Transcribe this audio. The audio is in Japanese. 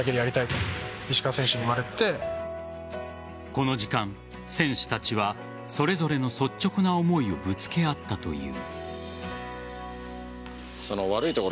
この時間、選手たちはそれぞれの率直な思いをぶつけ合ったという。